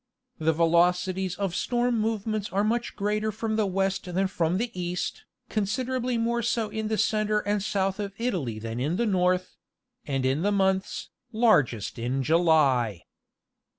The velocities of storm movements are much greater from the west than from the east, considerably more so in the centre and south of Italy than in the north; and in the months, largest in July.